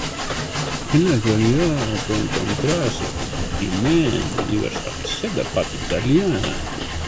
En la actualidad puede encontrarse este condimento en diversas recetas de pasta italiana.